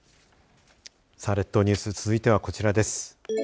列島ニュース続いてはこちらです。